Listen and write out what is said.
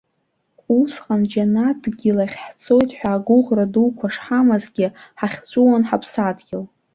Усҟан џьанаҭ дгьыл ахь ҳцоит ҳәа агәыӷра дуқәа шҳамазгьы, ҳахьҵәыуон ҳаԥсадгьыл.